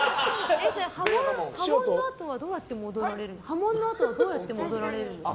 破門のあとはどうやって戻られるんですか？